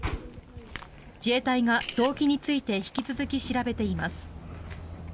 自衛隊が動機について引き続き調べています。